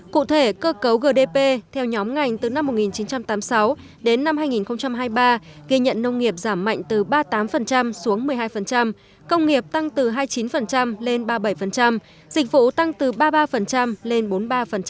cụ thể cơ cấu gdp theo nhóm ngành từ năm một nghìn chín trăm tám mươi sáu đến năm hai nghìn hai mươi ba ghi nhận nông nghiệp giảm mạnh từ ba mươi tám xuống một mươi hai công nghiệp tăng từ hai mươi chín lên ba mươi bảy dịch vụ tăng từ ba mươi ba lên bốn mươi ba